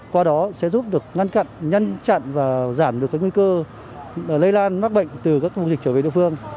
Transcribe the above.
qua đó sẽ giúp được ngăn chặn ngăn chặn và giảm được các nguy cơ lây lan mắc bệnh từ các vùng dịch trở về địa phương